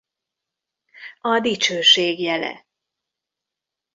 A dicsőség jele.